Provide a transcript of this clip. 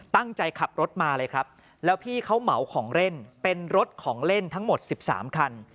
ตั้งใจขับรถมาเลยครับแล้วพี่เขาเหมาของเล่นเป็นรถของเล่นทั้งหมด๑๓คัน